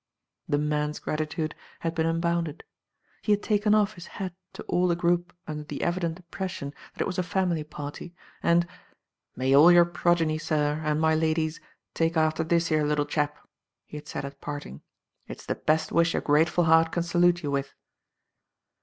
The man's gratitude had been unbounded. He had taken off his hat to all the group under the evident impression that it was a family party, and May all your progeny, sir, and my lady's, take after this *ero little chap," he had said at parting, "it's the best wish a grateful heart can salute ye with."